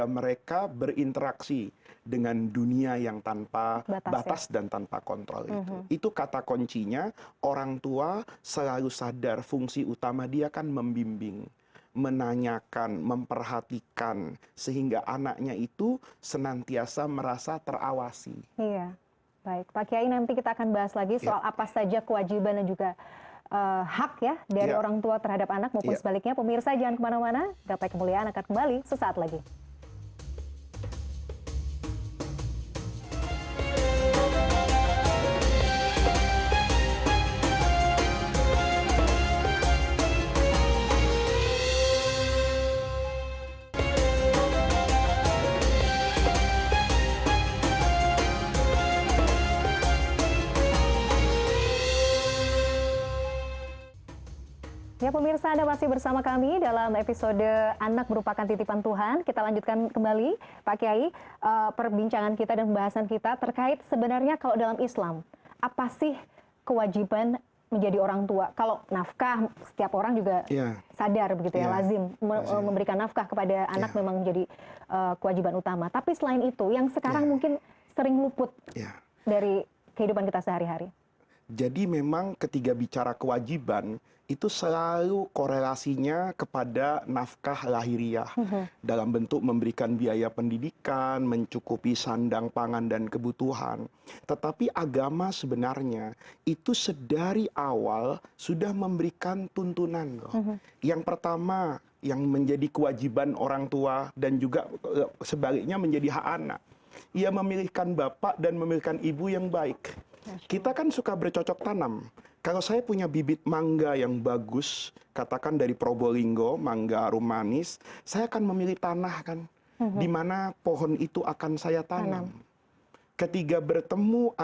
mungkin sekarang kuliah ada yang menggunakan sarana online